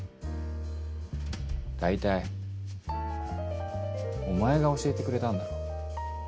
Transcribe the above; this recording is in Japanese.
大体お前が教えてくれたんだろ。